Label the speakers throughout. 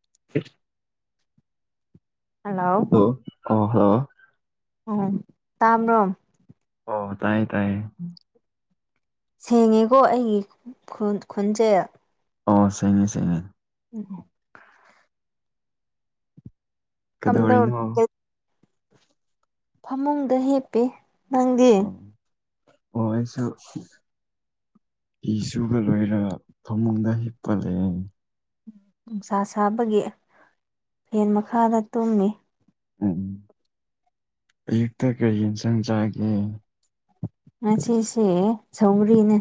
Speaker 1: [unintelligible] hello ꯑ hello
Speaker 2: ꯑꯣꯝ ꯇꯥꯃ꯭ꯔꯣꯝ
Speaker 1: ꯑꯣ ꯇꯥꯏꯌꯦ ꯇꯥꯏꯌꯦ
Speaker 2: ꯁꯦꯡꯉꯦꯀꯣ ꯑꯩꯒꯤ ꯈꯣꯟ ꯈꯣꯟꯖꯦꯜ
Speaker 1: ꯑꯣ ꯁꯦꯡꯉꯦ ꯁꯦꯡꯉꯦ
Speaker 2: ꯎꯝ ꯀꯝꯗꯧ
Speaker 1: ꯀꯩꯗꯧꯔꯤꯅꯣ
Speaker 2: ꯐꯃꯨꯡꯗ ꯍꯤꯞꯄꯤ ꯅꯪꯗꯤ
Speaker 1: ꯑꯣ ꯑꯩꯁꯨ ꯐꯤ ꯁꯨꯕ ꯂꯣꯏꯔꯒ ꯐꯃꯨꯡꯗ ꯍꯤꯞꯄ ꯂꯩꯑꯦ
Speaker 2: ꯅꯨꯡꯁꯥ ꯁꯥꯕꯒꯤ ꯐꯦꯟ ꯃꯈꯥꯗ ꯇꯨꯝꯃꯤ
Speaker 1: ꯎꯝ ꯑꯌꯨꯛꯇ ꯀꯔꯤ ꯍꯦꯟꯁꯥꯡ ꯆꯥꯒꯦ
Speaker 2: ꯉꯁꯤꯁꯦ ꯁꯧꯔꯤꯅꯦ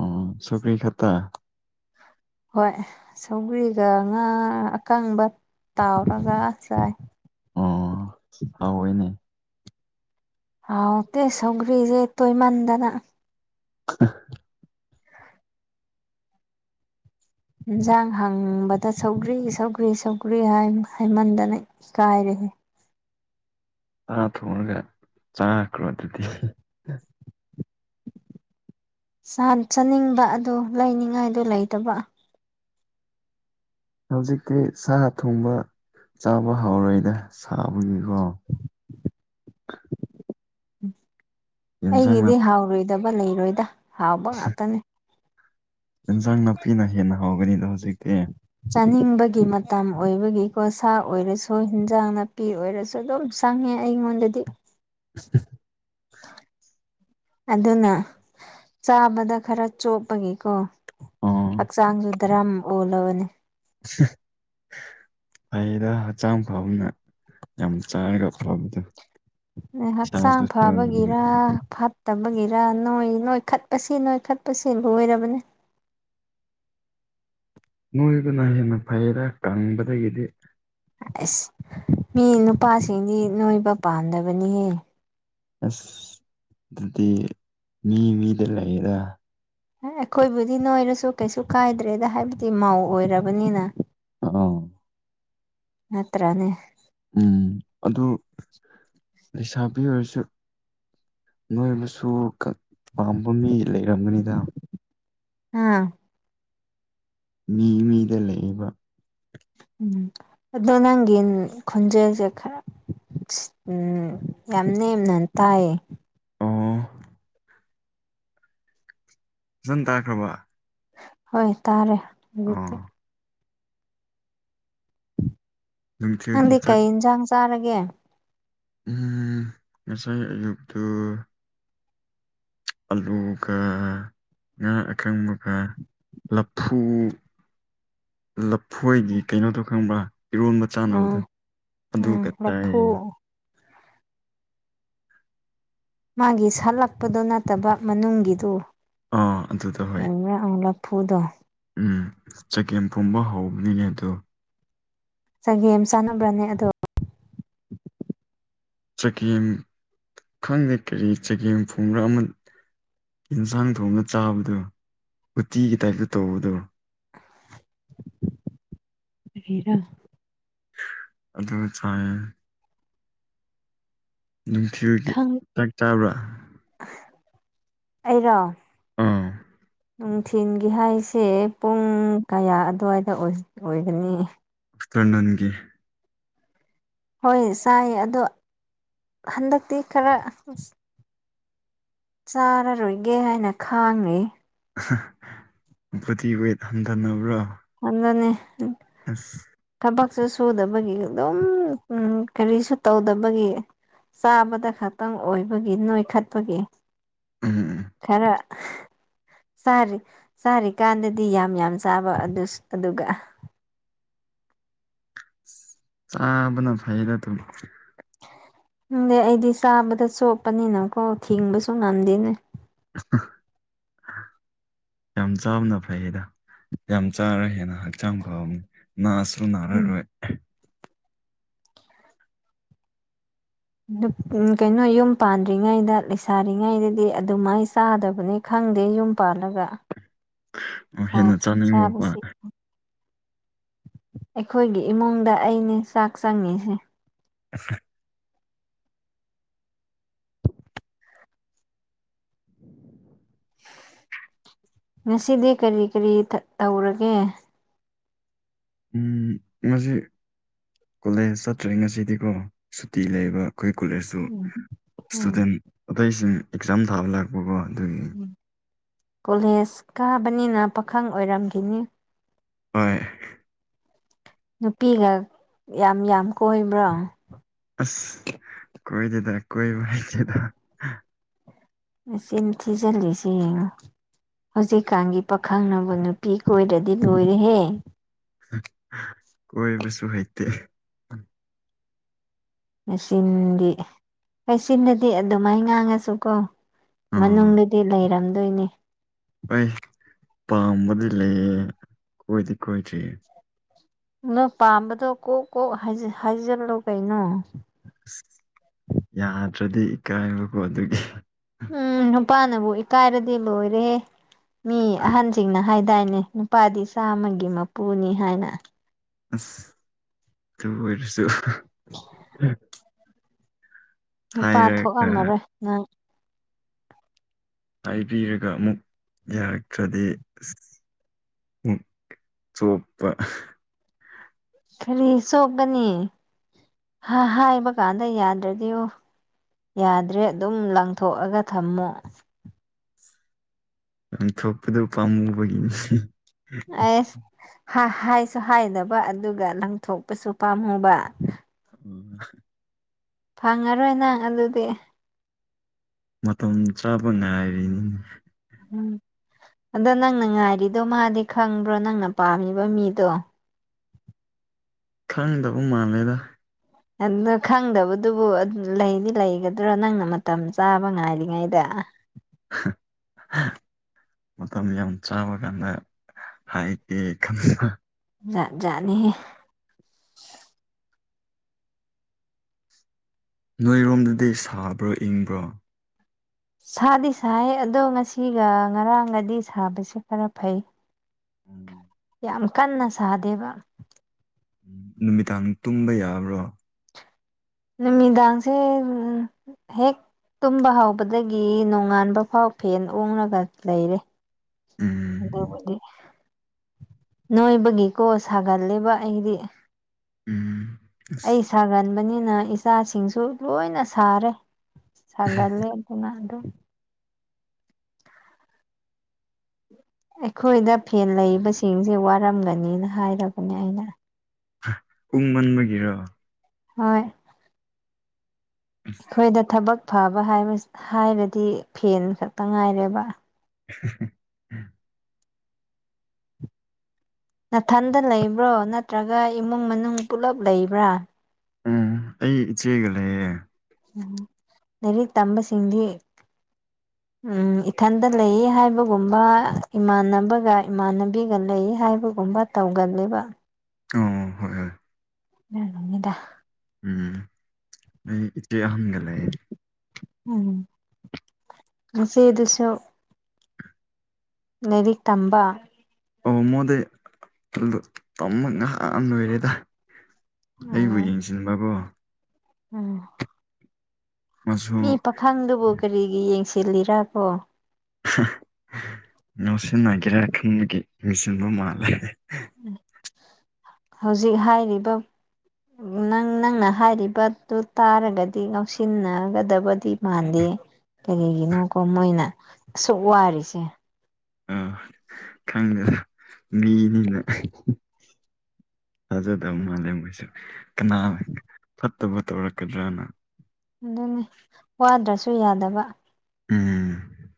Speaker 1: ꯑꯣ ꯁꯧꯒ꯭ꯔꯤ ꯈꯠꯇ
Speaker 2: ꯍꯣꯏ ꯁꯧꯒ꯭ꯔꯤꯒ ꯉꯥ ꯑꯀꯪꯕ ꯇꯥꯎꯔꯒ ꯆꯥꯏ
Speaker 1: ꯑꯣ ꯍꯥꯎꯋꯦꯅꯦ
Speaker 2: ꯍꯥꯎꯇꯦ ꯁꯧꯒ꯭ꯔꯤꯁꯦ ꯇꯣꯏꯃꯟꯗꯅ
Speaker 1: [unintelligible]
Speaker 2: ꯍꯤꯟꯁꯥꯡ ꯍꯥꯡꯕꯗ ꯁꯧꯒ꯭ꯔꯤ ꯁꯧꯒ꯭ꯔꯤ ꯁꯧꯒ꯭ꯔꯤ ꯍꯥꯏ ꯍꯥꯏꯃꯟꯗꯅ ꯀꯥꯏꯔꯦꯍꯦ
Speaker 1: ꯉꯥ ꯊꯣꯡꯔꯒ ꯆꯥꯈ꯭ꯔꯣ ꯑꯗꯨꯗꯤ
Speaker 2: ꯁꯟ ꯆꯥꯅꯤꯡꯕ ꯑꯗꯣ ꯂꯩꯅꯤꯡꯉꯥꯏꯗꯨ ꯂꯩꯇꯕ
Speaker 1: ꯍꯧꯖꯤꯛꯇꯤ ꯁꯥ ꯊꯣꯡꯕ ꯆꯥꯕ ꯍꯧꯔꯣꯏꯗ ꯁꯥꯕꯒꯤꯀꯣ
Speaker 2: ꯎꯝ
Speaker 1: ꯌꯦꯟꯁꯥꯡ ꯅꯥ
Speaker 2: ꯑꯩꯒꯤꯗꯤ ꯍꯥꯎꯔꯣꯏꯗꯕ ꯂꯩꯔꯣꯏꯗ ꯍꯥꯎꯕ ꯉꯥꯛꯇꯅꯦ
Speaker 1: ꯏꯟꯁꯥꯡ ꯅꯥꯄꯤꯅ ꯍꯦꯟꯅ ꯍꯧꯒꯅꯤꯗ ꯍꯧꯖꯤꯛꯇꯤ
Speaker 2: ꯆꯥꯅꯤꯡꯕꯒꯤ ꯃꯇꯝ ꯑꯣꯏꯕꯒꯤꯀꯣ ꯁꯥ ꯑꯣꯏꯔꯁꯨ ꯍꯤꯟꯖꯥꯡ ꯅꯞ ꯄꯤ ꯑꯣꯏꯔꯁꯨ ꯑꯗꯨꯝ ꯆꯪꯉꯦ ꯑꯩꯉꯣꯟꯗꯗꯤ
Speaker 1: [unintelligible]
Speaker 2: ꯑꯗꯨꯅ ꯆꯥꯕꯗ ꯈꯔ ꯆꯣꯞꯄꯒꯤꯀꯣ
Speaker 1: ꯑꯣ
Speaker 2: ꯍꯛꯆꯥꯡꯁꯨ ꯗꯔꯥꯝ ꯑꯣꯜꯂꯕꯅꯦ
Speaker 1: ꯁꯤ [unintelligible] ꯐꯩꯗ ꯍꯛꯆꯥꯡ ꯐꯕꯅ ꯌꯥꯝ ꯆꯥꯔꯒ ꯐꯕꯗꯣ
Speaker 2: ꯍꯛꯆꯥꯡ
Speaker 1: ꯏꯁꯥꯁꯨ ꯆꯅꯤꯡꯉꯦ
Speaker 2: ꯐꯕꯒꯤꯔ ꯐꯠ ꯇꯕꯒꯤꯔ ꯅꯣꯏ ꯅꯣꯏꯈꯠꯄꯁꯤ ꯅꯣꯏꯈꯠꯄꯁꯤ ꯂꯣꯏꯔꯕꯅꯦ
Speaker 1: ꯅꯣꯏꯕꯅ ꯍꯦꯟꯅ ꯐꯩꯗ ꯀꯪꯕꯗꯒꯤꯗꯤ
Speaker 2: ꯑꯁ ꯃꯤ ꯅꯨꯄꯥꯁꯤꯡꯗꯤ ꯅꯣꯏꯕ ꯄꯥꯝꯗꯕꯅꯤꯍꯦ
Speaker 1: ꯑꯁ ꯑꯗꯨꯗꯤ ꯃꯤ ꯃꯤꯗ ꯂꯩꯔꯦ
Speaker 2: ꯑ ꯑꯈꯣꯏꯕꯨꯗꯤ ꯅꯣꯏꯔꯁꯨ ꯀꯩꯁꯨ ꯀꯥꯏꯗ꯭ꯔꯦꯗ ꯍꯥꯏꯕꯗꯤ ꯃꯧ ꯑꯣꯏꯔꯕꯅꯤꯅ
Speaker 1: ꯑꯧ
Speaker 2: ꯅꯠꯇ꯭ꯔꯅꯦ
Speaker 1: ꯎꯝ ꯑꯗꯨ ꯂꯩꯁꯥꯕꯤ ꯑꯣꯏꯔꯁꯨ ꯅꯣꯏꯕꯁꯨ ꯀꯛ ꯄꯥꯝꯕ ꯃꯤ ꯂꯩꯔꯝꯒꯅꯤꯗ
Speaker 2: ꯍꯥ
Speaker 1: ꯃꯤ ꯃꯤꯗ ꯂꯩꯑꯦꯕ
Speaker 2: ꯎꯝ ꯑꯗꯣ ꯅꯪꯒꯤ ꯈꯣꯟꯖꯦꯜꯁꯦ ꯈꯔ ꯁꯤꯠ ꯎꯝ ꯌꯥꯝ ꯅꯦꯝꯅ ꯇꯥꯏꯌꯦ
Speaker 1: ꯑꯣ ꯐꯖꯟ ꯇꯥꯈ꯭ꯔꯕ
Speaker 2: ꯍꯣꯏ ꯇꯥꯔꯦ ꯍꯧꯖꯤꯛꯇꯤ
Speaker 1: ꯑꯣ ꯅꯨꯡꯊꯤꯜꯒꯤ
Speaker 2: ꯅꯪꯗꯤ
Speaker 1: ꯆꯥꯛ
Speaker 2: ꯀꯩ ꯏꯟꯁꯥꯡ ꯆꯥꯔꯒꯦ
Speaker 1: ꯎꯝ ꯉꯁꯥꯏ ꯑꯌꯨꯛꯇꯨ ꯑꯂꯨꯒ ꯉꯥ ꯑꯀꯪꯕꯒ ꯂꯐꯨ ꯂꯐꯣꯏꯗꯤ ꯀꯩꯅꯣꯗꯣ ꯈꯪꯕ꯭ꯔꯥ ꯏꯔꯣꯟꯕ ꯆꯥꯟꯅꯕꯗꯣ
Speaker 2: ꯎꯝ ꯎꯝ
Speaker 1: ꯑꯗꯨꯒ
Speaker 2: ꯂꯐꯨ
Speaker 1: ꯆꯥꯏꯌꯦ
Speaker 2: ꯃꯥꯒꯤ ꯁꯥꯠꯂꯛꯄꯗ ꯅꯠꯇꯕ ꯃꯅꯨꯡꯒꯤꯗꯨ
Speaker 1: ꯑꯥ ꯑꯗꯨꯗ
Speaker 2: [unintelligible]
Speaker 1: ꯍꯣꯏ
Speaker 2: ꯑꯧ ꯂꯐꯨꯗꯣ
Speaker 1: ꯎꯝ ꯆꯒꯦꯝ ꯄꯣꯝꯕ ꯍꯧꯕꯅꯤꯅꯦ ꯑꯗꯣ
Speaker 2: ꯆꯒꯦꯝ ꯆꯥꯟꯅꯕ꯭ꯔꯅꯦ ꯑꯗꯣ
Speaker 1: ꯆꯒꯦꯝ ꯈꯪꯗꯦ ꯀꯔꯤ ꯆꯒꯦꯝ ꯐꯣꯡꯕ꯭ꯔ ꯑꯃ ꯏꯟꯁꯥꯡ ꯊꯣꯡꯉ ꯆꯥꯕꯗꯣ ꯎꯇꯤꯒꯤ ꯇꯥꯏꯞꯇ ꯇꯧꯕꯗꯣ
Speaker 2: ꯀꯔꯤꯔ
Speaker 1: ꯑꯗꯨ ꯆꯥꯏꯌꯦ ꯅꯨꯡꯊꯤꯜꯒꯤ
Speaker 2: ꯈꯪ
Speaker 1: ꯆꯥꯛ ꯆꯥꯕ꯭ꯔꯥ
Speaker 2: ꯑꯩꯔꯣ
Speaker 1: ꯑꯥ
Speaker 2: ꯅꯨꯡꯊꯤꯟꯒꯤ ꯍꯥꯏꯁꯦ ꯄꯨꯡ ꯀꯌꯥ ꯑꯗꯨꯋꯥꯏꯗ ꯑꯣꯏꯒꯅꯤ
Speaker 1: ꯑꯦꯛꯁꯇ꯭ꯔꯥ ꯅꯟꯒꯤ
Speaker 2: ꯍꯣꯏ ꯆꯥꯏꯌꯦ ꯑꯗꯣ ꯍꯟꯗꯛꯇꯤ ꯈꯔ ꯆꯥꯔꯔꯣꯏꯒꯦ ꯍꯥꯏꯅ ꯈꯥꯡꯔꯤ
Speaker 1: ꯕꯣꯗꯤ ꯋꯦꯠ ꯍꯟꯊꯅꯕ꯭ꯔꯣ
Speaker 2: ꯑꯗꯨꯅꯦ
Speaker 1: ꯑꯁ
Speaker 2: ꯊꯕꯛꯁꯨ ꯁꯨꯗꯕꯒꯤ ꯑꯗꯨꯝ ꯎꯝ ꯀꯔꯤꯁꯨ ꯇꯧꯗꯕꯒꯤ ꯆꯥꯕꯗ ꯈꯛꯇꯪ ꯑꯣꯏꯕꯒꯤ ꯅꯣꯏꯈꯠꯄꯒꯤ
Speaker 1: ꯎꯝ ꯎꯝ
Speaker 2: ꯈꯔ ꯆꯥꯔꯤ ꯆꯥꯔꯤꯀꯥꯟꯗꯗꯤ ꯌꯥꯝ ꯌꯥꯝ ꯆꯥꯕ ꯑꯗꯨꯁꯨ ꯑꯗꯨꯒ
Speaker 1: ꯆꯥꯕꯅ ꯐꯩꯗ ꯗꯨꯝ
Speaker 2: ꯍꯪꯗꯦ ꯑꯩꯗꯤ ꯆꯥꯕꯗ ꯆꯣꯞꯄꯅꯤꯅꯀꯣ ꯊꯤꯡꯕꯁꯨ ꯉꯝꯗꯦꯅꯦ
Speaker 1: [unintelligible] ꯌꯥꯝ ꯆꯥꯕꯅ ꯐꯩꯌꯦꯗ ꯌꯥꯝ ꯆꯥꯔ ꯍꯦꯟꯅ ꯍꯛꯆꯥꯡ ꯐꯕꯅꯤ ꯥꯅꯥꯁꯨ ꯅꯥꯔꯔꯣꯏ
Speaker 2: ꯅꯨꯞ ꯎꯝ ꯀꯩꯅꯣ ꯌꯨꯝ ꯄꯥꯟꯗ꯭ꯔꯤꯉꯩꯗ ꯂꯩꯁꯥꯔꯤꯉꯩꯗꯗꯤ ꯑꯗꯨꯃꯥꯏꯅ ꯆꯥꯗꯕꯅꯤ ꯈꯪꯗꯦ ꯌꯨꯝ ꯄꯥꯜꯂꯒ
Speaker 1: [unintelligible] ꯑꯣ ꯍꯦꯟꯅ
Speaker 2: ꯐꯥꯔꯁ
Speaker 1: ꯆꯥꯅꯤꯡꯕꯀꯣ
Speaker 2: ꯆꯥꯕꯁꯤ ꯑꯩꯈꯣꯏꯒꯤ ꯏꯃꯨꯡꯗ ꯑꯩꯅꯦ ꯆꯥꯛ ꯆꯪꯉꯤꯁꯦ
Speaker 1: [unintelligible]
Speaker 2: ꯉꯁꯤꯗꯤ ꯀꯔꯤ ꯀꯔꯤ ꯊ ꯇꯧꯔꯒꯦ
Speaker 1: ꯎꯝ ꯉꯁꯤ ꯀꯣꯂꯦꯖ ꯆꯠꯇ꯭ꯔꯦ ꯉꯁꯤꯗꯤꯀꯣ ꯁꯨꯇꯤ ꯂꯩꯕ ꯑꯩꯈꯣꯏ ꯀꯣꯂꯦꯖꯁꯨ
Speaker 2: ꯎꯝ ꯎꯝ
Speaker 1: ꯏꯁꯇꯨꯗꯦꯟ ꯑꯇꯩꯁꯤꯡ ꯑꯦꯛꯖꯥꯝ ꯊꯥꯕ ꯂꯥꯛꯄꯀꯣ ꯑꯗꯨꯒꯤ
Speaker 2: ꯎꯝ ꯀꯣꯂꯦꯖ ꯀꯥꯕꯅꯤꯅ ꯄꯥꯈꯪ ꯑꯣꯏꯔꯝꯒꯤꯅꯤ
Speaker 1: ꯍꯣꯏ
Speaker 2: ꯅꯨꯄꯤꯒ ꯌꯥꯝ ꯌꯥꯝ ꯀꯣꯏꯕ꯭ꯔꯣ
Speaker 1: ꯑꯁ ꯀꯣꯏꯗꯦꯗ ꯀꯣꯏꯕ ꯍꯩꯇꯦꯗ
Speaker 2: ꯃꯁꯤꯟ ꯊꯤꯖꯤꯜꯂꯤꯁꯦ ꯌꯦꯡꯉꯣ ꯍꯧꯖꯤꯛꯀꯥꯟꯒꯤ ꯄꯥꯈꯪꯅꯕꯨ ꯅꯨꯄꯤ ꯀꯣꯏꯗ꯭ꯔꯗꯤ ꯂꯣꯏꯔꯦꯍꯦ
Speaker 1: ꯀꯣꯏꯕꯁꯨ ꯍꯩꯇꯦ
Speaker 2: ꯃꯆꯤꯟꯗꯤ ꯃꯆꯤꯟꯗꯨꯗꯤ ꯑꯗꯨꯃꯥꯏꯅ ꯉꯥꯡꯉꯁꯨ ꯀꯣ
Speaker 1: ꯑꯥ
Speaker 2: ꯃꯅꯨꯡꯗꯨꯗꯤ ꯂꯩꯔꯝꯗꯣꯏꯅꯤ
Speaker 1: ꯑꯩ ꯄꯥꯝꯕꯗꯤ ꯂꯩꯌꯦ ꯀꯣꯏꯗꯤ ꯀꯣꯏꯗ꯭ꯔꯤ
Speaker 2: ꯅꯪ ꯄꯥꯝꯕꯗꯣ ꯀꯣꯛ ꯀꯣꯛ ꯍꯥꯏꯖꯤꯜꯂꯨ ꯀꯩꯅꯣ
Speaker 1: ꯑꯁ ꯌꯥꯗ꯭ꯔꯗꯤ ꯀꯥꯏꯕꯒꯣ ꯑꯗꯨꯒꯤ
Speaker 2: ꯎꯝ ꯅꯨꯄꯥꯅꯕꯨ ꯏꯀꯥꯏꯔꯗꯤ ꯂꯣꯏꯔꯦꯍꯦ ꯃꯤ ꯑꯍꯟꯁꯤꯡꯅ ꯍꯥꯏꯗꯥꯏꯅꯦ ꯅꯨꯄꯥꯗꯤ ꯆꯥꯝꯃꯒꯤ ꯃꯄꯨꯅꯤ ꯍꯥꯏꯅ
Speaker 1: ꯑꯁ ꯇꯨ ꯑꯣꯏꯔꯁꯨ
Speaker 2: ꯅꯨꯄꯥ
Speaker 1: ꯍꯥꯏꯔꯒ
Speaker 2: ꯊꯣꯛꯑꯝꯃꯔꯣꯢ ꯅꯪ
Speaker 1: ꯍꯥꯏꯕꯤꯔꯒ ꯑꯃꯨꯛ ꯌꯥꯔꯛꯇ꯭ꯔꯗꯤ ꯑꯁ ꯎꯝ ꯆꯣꯞꯄ
Speaker 2: ꯀꯔꯤ ꯆꯣꯞꯀꯅꯤ ꯍꯥꯏꯕ ꯀꯥꯟꯗ ꯌꯥꯗ꯭ꯔꯗꯤ ꯑꯣ ꯌꯥꯗ꯭ꯔꯦ ꯑꯗꯨꯝ ꯂꯪꯊꯣꯛꯑꯒ ꯊꯝꯃꯣ
Speaker 1: ꯂꯪꯊꯣꯛꯄꯗꯨ ꯄꯥꯝꯃꯨꯕꯒꯤꯅꯤ
Speaker 2: ꯑꯁ ꯍꯥꯏꯁꯨ ꯍꯥꯏꯗꯕ ꯑꯗꯨꯒ ꯂꯪꯊꯣꯛꯄꯁꯨ ꯄꯥꯝꯃꯨꯕ
Speaker 1: ꯑꯣ [inaudible]
Speaker 2: ꯐꯪꯉꯔꯣꯏ ꯅꯪ ꯑꯗꯨꯗꯤ
Speaker 1: ꯃꯇꯝ ꯆꯥꯕ ꯉꯥꯏꯔꯤꯅꯤꯅꯦ
Speaker 2: ꯎꯝ ꯑꯗꯣ ꯅꯪꯅ ꯉꯥꯏꯔꯤꯗꯣ ꯃꯥꯗꯤ ꯈꯪꯕ꯭ꯔꯣ ꯅꯪꯅ ꯄꯥꯝꯃꯤꯕ ꯃꯤꯗꯣ
Speaker 1: ꯈꯪꯗꯕ ꯃꯥꯜꯂꯦꯗ
Speaker 2: ꯑꯗꯨ ꯈꯪꯗꯕꯗꯨꯕꯨ ꯂꯩꯗꯤ ꯂꯩꯒꯗ꯭ꯔꯣ ꯅꯪꯅ ꯃꯇꯝ ꯆꯥꯕ ꯉꯥꯏꯔꯤꯉꯩꯗ
Speaker 1: [unintelligible] ꯃꯇꯝ ꯌꯥꯝ ꯆꯥꯕ ꯀꯥꯟꯗ ꯍꯥꯏꯒꯦ ꯈꯟꯕ
Speaker 2: ꯖꯠ ꯖꯠꯅꯤꯍꯦ
Speaker 1: ꯅꯣꯏꯔꯣꯝꯗꯗꯤ ꯁꯥꯕ꯭ꯔꯣ ꯏꯪꯕ꯭ꯔꯣ
Speaker 2: ꯁꯥꯗꯤ ꯁꯥꯏ ꯑꯗꯣ ꯉꯁꯤꯒ ꯉꯔꯥꯡꯒꯗꯤ ꯁꯥꯕꯁꯦ ꯈꯔ ꯐꯩ
Speaker 1: ꯎꯝ
Speaker 2: ꯌꯥꯝ ꯀꯟꯅ ꯁꯥꯗꯦꯕ
Speaker 1: ꯎꯝ ꯅꯨꯃꯤꯗꯥꯡ ꯇꯨꯝꯕ ꯌꯥꯕ꯭ꯔꯣ
Speaker 2: ꯅꯨꯃꯤꯗꯥꯡꯁꯦ ꯎꯝ ꯍꯦꯛ ꯇꯨꯝꯕ ꯍꯥꯎꯕꯗꯒꯤ ꯅꯣꯡꯉꯥꯟꯕ ꯐꯥꯎ ꯐꯦꯟ ꯎꯨꯡꯉꯒ ꯂꯩꯔꯦ
Speaker 1: ꯎꯝ
Speaker 2: ꯑꯗꯨꯕꯨꯗꯤ ꯅꯣꯏꯕꯒꯤꯀꯣ ꯁꯥꯒꯜꯂꯦꯕ ꯑꯩꯗꯤ
Speaker 1: ꯎꯝ
Speaker 2: ꯑꯩ ꯁꯥꯒꯟꯕꯅꯤꯅ ꯏꯆꯥꯁꯤꯡꯁꯨ ꯂꯣꯏꯅ ꯁꯥꯔꯦ ꯁꯥꯒꯜꯂꯦ ꯈꯨꯗ [unintelligible] ꯑꯩꯈꯣꯏꯗ ꯐꯦꯟ ꯂꯩꯕꯁꯤꯡꯁꯦ ꯋꯥꯔꯝꯒꯅꯤꯅ ꯍꯥꯏꯔꯕꯅꯦ ꯑꯩꯅ
Speaker 1: ꯎꯨꯡ ꯃꯟꯕꯒꯤꯔꯣ
Speaker 2: ꯍꯣꯏ ꯑꯩꯈꯣꯏꯗ ꯊꯕꯛ ꯐꯕ ꯍꯥꯏꯔꯗꯤ ꯐꯦꯟ ꯈꯛꯇ ꯉꯥꯏꯔꯦꯕ
Speaker 1: ꯎ [unintelligible]
Speaker 2: ꯅꯥꯊꯟꯗ ꯂꯩꯕ꯭ꯔꯣ ꯅꯠꯇ꯭ꯔꯒ ꯏꯃꯨꯡ ꯃꯅꯨꯡ ꯄꯨꯂꯞ ꯂꯩꯕ꯭ꯔꯥ
Speaker 1: ꯎꯝ ꯑꯩ ꯏꯆꯦꯒ ꯂꯩꯌꯦ
Speaker 2: ꯎꯝ ꯂꯥꯏꯔꯤꯛ ꯇꯝꯕ ꯁꯤꯡꯗꯤ
Speaker 1: [inaudible]
Speaker 2: ꯎꯝ ꯏꯊꯟꯗ ꯂꯩ ꯍꯥꯏꯕꯒꯨꯝꯕ ꯏꯃꯥꯟꯅꯕꯒ ꯏꯃꯥꯟꯅꯕꯤꯒ ꯂꯩꯌꯦ ꯍꯥꯏꯕꯒꯨꯝꯕ ꯇꯧꯒꯜꯂꯦꯕ
Speaker 1: ꯑꯝ ꯍꯣꯏ ꯍꯣꯏ
Speaker 2: ꯉꯤꯗ
Speaker 1: ꯎꯝ ꯑꯩ ꯏꯆꯦ ꯑꯍꯟꯒ ꯂꯩꯌꯦ
Speaker 2: ꯎꯝ ꯅꯆꯦꯗꯨꯁꯨ ꯂꯥꯏꯔꯤꯛ ꯇꯝꯕ
Speaker 1: ꯑꯣ ꯃꯉꯣꯟꯗꯗꯤ ꯑꯗꯨ ꯇꯝꯕ ꯉꯍꯥꯟꯅ ꯂꯣꯏꯔꯦꯗ ꯑꯩꯕꯨ
Speaker 2: ꯎꯝ
Speaker 1: ꯌꯦꯡꯁꯤꯟꯕꯀꯣ
Speaker 2: ꯎꯝ
Speaker 1: ꯃꯥꯁꯨ
Speaker 2: ꯃꯤ ꯄꯥꯈꯪꯗꯨꯕꯨ ꯀꯔꯤꯒꯤ ꯌꯦꯡꯁꯤꯜꯂꯤꯔ ꯀꯣ
Speaker 1: ꯉꯥꯎꯁꯤꯟꯅꯒꯦꯔꯥ ꯈꯟꯕꯒꯤ ꯂꯣꯏꯁꯤꯟꯕ ꯃꯥꯜꯂꯦ [inaudible]
Speaker 2: ꯍꯧꯖꯤꯛ ꯍꯥꯏꯔꯤꯗꯣ ꯅꯪ ꯅꯪꯅ ꯍꯥꯏꯔꯤꯕꯗꯨꯨ ꯇꯥꯔꯒꯗꯤ ꯉꯥꯎꯁꯤꯟꯅꯒꯗꯕꯗꯤ ꯃꯥꯟꯗꯦ ꯀꯔꯤꯒꯤꯅꯣꯀꯣ ꯃꯣꯏꯅ ꯑꯁꯨꯛ ꯋꯥꯔꯤꯁꯦ
Speaker 1: ꯑꯥ ꯈꯪꯗꯦꯗ ꯃꯤꯅꯤꯅ ꯊꯥꯖꯗꯕ ꯃꯥꯜꯂꯦ ꯃꯣꯏꯁꯨ ꯀꯅꯥꯅ ꯐꯠꯇꯕ ꯇꯧꯔꯛꯀꯗ꯭ꯔꯅ
Speaker 2: ꯑꯗꯨꯅꯤ ꯋꯥꯗ꯭ꯔꯁꯨ ꯌꯥꯗꯕ
Speaker 1: ꯎꯝ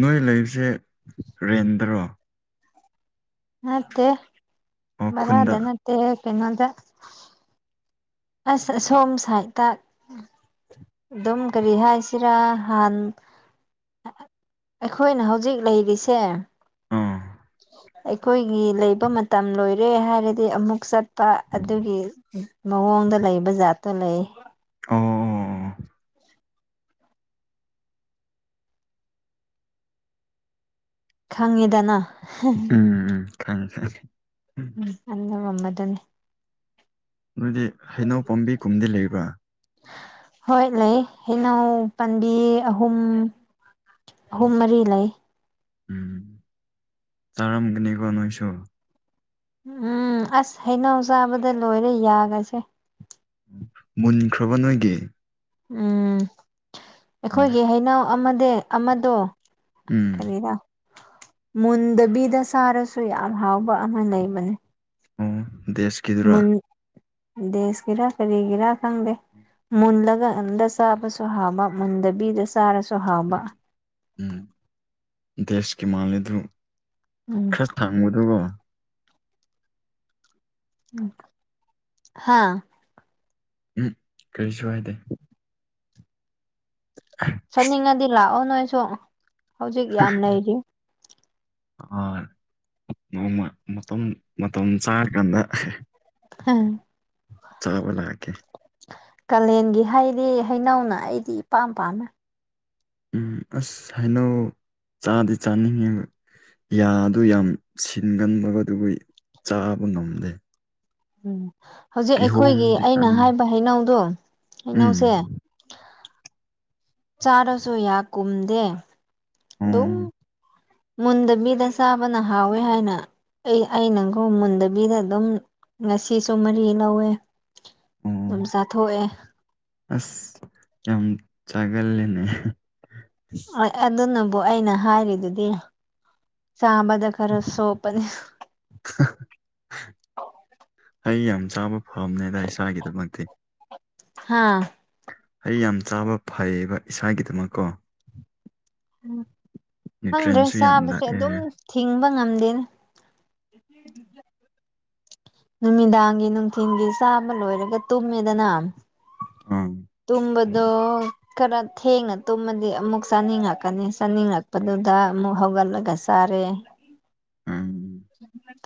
Speaker 1: ꯅꯣꯏ ꯂꯩꯕꯁꯦ ꯔꯦꯟꯠꯗꯔꯣ
Speaker 2: ꯅꯠꯇꯦ
Speaker 1: ꯑꯣ ꯈꯨꯟꯗ
Speaker 2: ꯕꯥꯔꯥꯗ ꯅꯠꯇꯦ ꯀꯩꯅꯣꯗ ꯑꯁ ꯑꯁꯣꯝ ꯁꯥꯏꯠꯇ ꯑꯗꯨꯝ ꯀꯔꯤ ꯍꯥꯏꯁꯤꯔꯥ ꯍꯥꯟ ꯑꯩꯈꯣꯏꯅ ꯍꯧꯖꯤꯛ ꯂꯩꯔꯤꯁꯦ
Speaker 1: ꯑꯥ
Speaker 2: ꯑꯩꯈꯣꯏꯒꯤ ꯂꯩꯕ ꯃꯇꯝ ꯂꯣꯏꯔꯦ ꯍꯥꯏꯔꯗꯤ ꯑꯃꯨꯛ ꯆꯠꯄ ꯑꯗꯨꯒꯤ ꯃꯑꯣꯡꯗ ꯂꯩꯕ ꯖꯥꯠꯇꯣ ꯂꯩꯌꯦ
Speaker 1: ꯑꯣ ꯑꯣ
Speaker 2: ꯈꯪꯉꯦꯗꯅ
Speaker 1: ꯎꯝ ꯎꯝ ꯈꯪꯌꯦ ꯈꯪꯌꯦ
Speaker 2: ꯑꯗꯨꯅ ꯃꯝꯃꯗꯣꯅꯦ
Speaker 1: ꯅꯣꯏꯗꯤ ꯍꯩꯅꯧ ꯄꯥꯝꯕꯤ ꯀꯨꯝꯗꯤ ꯂꯩꯕ꯭ꯔꯥ
Speaker 2: ꯍꯣꯏ ꯂꯩ ꯍꯩꯅꯧ ꯄꯥꯝꯕꯤ ꯑꯍꯨꯝ ꯑꯍꯨꯝ ꯃꯔꯤ ꯂꯩ
Speaker 1: ꯎꯝ ꯇꯥꯔꯝꯒꯅꯤꯀꯣ ꯅꯣꯏꯁꯨ
Speaker 2: ꯎꯝ ꯑꯁ ꯍꯩꯅꯧ ꯆꯥꯕꯗ ꯂꯣꯏꯔꯦ ꯌꯥꯒꯁꯦ
Speaker 1: ꯃꯨꯟꯈ꯭ꯔꯕ ꯅꯣꯏꯒꯤ
Speaker 2: ꯎꯝ
Speaker 1: ꯎꯝ
Speaker 2: ꯑꯩꯈꯣꯏꯒꯤ ꯍꯩꯅꯧ ꯑꯃꯗꯤ ꯑꯃꯗꯣ
Speaker 1: ꯎꯝ
Speaker 2: ꯃꯨꯟꯗꯕꯤꯗ ꯆꯥꯔꯁꯨ ꯌꯥꯝ ꯍꯥꯎꯕ ꯑꯃ ꯂꯩꯕꯅꯦ
Speaker 1: ꯑꯣ ꯗꯦꯁ
Speaker 2: ꯃꯨꯟ ꯗꯦꯁꯀꯤꯔꯥ ꯀꯔꯤꯒꯤꯔꯥ ꯈꯪꯗꯦ ꯃꯨꯜꯂꯒ ꯑꯗꯨꯗ ꯆꯥꯕꯁꯨ ꯍꯥꯎꯕ ꯃꯨꯟꯗꯕꯤꯗ ꯆꯥꯔꯁꯨ ꯍꯥꯎꯕ
Speaker 1: ꯎꯝ ꯗꯦꯁꯀꯤ ꯃꯥꯜꯂꯦ ꯑꯗꯨ
Speaker 2: ꯎꯝ
Speaker 1: ꯈꯔ ꯊꯥꯡꯕꯗꯨꯒ
Speaker 2: [unintelligible] ꯍꯥꯥ
Speaker 1: ꯎꯝ ꯀꯔꯤꯁꯨ ꯍꯥꯏꯗꯦ
Speaker 2: ꯆꯠꯅꯤꯡꯉꯥꯗꯤ ꯂꯥꯛꯑꯣ ꯅꯣꯏꯁꯨ ꯍꯧꯖꯤꯛ ꯌꯥꯝ ꯂꯩꯔꯤ
Speaker 1: ꯑꯥ ꯅꯣꯡꯃ ꯃꯇꯝ ꯃꯇꯝ ꯆꯥꯔꯀꯥꯟꯗ
Speaker 2: [unintelligible]
Speaker 1: ꯆꯥꯕ ꯂꯥꯛꯀꯦ
Speaker 2: ꯀꯥꯂꯦꯟꯒꯤ ꯍꯩꯗꯤ ꯍꯩꯅꯧꯅ ꯑꯩꯗꯤ ꯏꯄꯥꯝ ꯄꯥꯝꯃꯦ
Speaker 1: ꯎꯝ ꯑꯁ ꯍꯩꯅꯧ ꯆꯥꯗꯤ ꯆꯥꯅꯤꯡꯉꯦꯕ ꯌꯥꯗꯨ ꯌꯥꯝ ꯁꯤꯟꯒꯟꯕꯒꯗꯨꯕꯨ ꯆꯥꯕ ꯉꯝꯗꯦ
Speaker 2: ꯎꯝ ꯍꯧꯖꯤꯛ ꯑꯩꯈꯣꯏꯒꯤ
Speaker 1: ꯀꯤꯍꯣꯝꯗꯤ
Speaker 2: ꯑꯩꯅ
Speaker 1: ꯆꯥꯅꯤꯡꯉꯦ
Speaker 2: ꯍꯥꯏꯕ ꯍꯩꯅꯧꯗꯣ ꯍꯩꯅꯧꯁꯦ
Speaker 1: ꯎꯝ
Speaker 2: ꯆꯥꯔꯁꯨ ꯌꯥ ꯀꯨꯝꯗꯦ ꯑꯗꯨꯝ
Speaker 1: ꯑꯣ
Speaker 2: ꯃꯨꯟꯗꯥꯕꯤꯗ ꯆꯥꯕꯅ ꯍꯥꯎꯋꯦ ꯍꯥꯏꯅ ꯑꯩ ꯑꯩꯅꯒꯣ ꯃꯨꯟꯗꯕꯤꯗ ꯑꯗꯨꯝ ꯉꯁꯤꯁꯨ ꯃꯔꯤ ꯂꯧꯋꯦ ꯑꯗꯨꯝ ꯆꯥꯊꯣꯛꯑꯦ
Speaker 1: ꯑꯥꯁ ꯌꯥꯝ ꯆꯥꯒꯜꯂꯦꯅꯦ
Speaker 2: ꯍꯣꯏ ꯑꯗꯨꯅꯕꯨ ꯑꯩꯅ ꯍꯥꯏꯔꯤꯗꯨꯗꯤ ꯆꯥꯕꯗ ꯈꯔꯥ ꯆꯣꯞꯄꯅꯤ
Speaker 1: ꯍꯩ ꯌꯥꯝ ꯆꯥꯕ ꯐꯥꯕꯝꯅꯤꯗ ꯏꯁꯥꯒꯤꯗꯃꯛꯇꯤ
Speaker 2: ꯍꯥ
Speaker 1: ꯍꯩ ꯌꯥꯝ ꯆꯥꯕ ꯐꯩꯌꯦꯕ ꯏꯁꯥꯒꯤꯗꯃꯛꯀꯣ
Speaker 2: ꯎꯝ ꯈꯪꯗ꯭ꯔꯦ
Speaker 1: ꯅ꯭ꯌꯨꯇ꯭ꯔꯦꯟꯁꯨ ꯌꯥꯝ
Speaker 2: ꯆꯥꯕꯁꯦ
Speaker 1: ꯂꯥꯛꯑꯦ
Speaker 2: ꯑꯗꯨꯝ ꯊꯤꯡꯕ ꯉꯝꯗꯦꯅꯦ [unintelligible] ꯅꯨꯃꯤꯗꯥꯡꯒꯤ ꯅꯨꯡꯊꯤꯟꯒꯤ ꯆꯥꯕ ꯂꯣꯏꯔꯒ ꯇꯨꯝꯃꯦꯗꯅꯥ
Speaker 1: ꯑꯪ
Speaker 2: ꯇꯨꯝꯕꯥꯗꯣ ꯈꯔ ꯊꯦꯡꯅ ꯇꯨꯝꯃꯗꯤ ꯑꯃꯨꯛ ꯆꯥꯅꯤꯡꯂꯛꯀꯅꯤ ꯆꯥꯅꯤꯡꯂꯛꯄꯗꯨꯗ ꯑꯃꯨꯛ ꯍꯧꯒꯠꯂꯒꯥ ꯇꯥꯔꯦ
Speaker 1: ꯑꯪ
Speaker 2: [unintelligible]